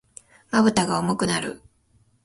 瞼が重くなる。